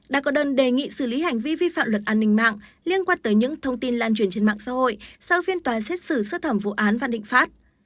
đã có đơn đề nghị xử lý hành vi vi phạm luật an ninh mạng liên quan tới những thông tin lan truyền trên mạng xã hội sau phiên tòa xét xử sơ thẩm vụ án vạn thịnh pháp